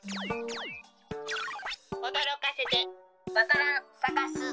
おどろかせてわか蘭さかす。